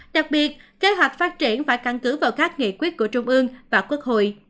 đặc biệt kế hoạch phát triển phải căn cứ vào các nghị quyết của trung ương và quốc hội